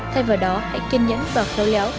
thay vào đó hãy kiên nhẫn và khéo léo